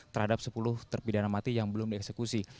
terhadap sepuluh terpi dana mati yang belum dieksekusi